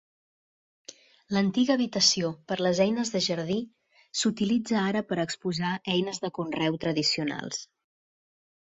L'antiga habitació per les eines de jardí s'utilitza ara per exposar eines de conreu tradicionals.